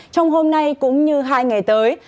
trong hôm nay cũng như hai ngày tới